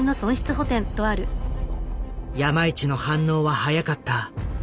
山一の反応は早かった。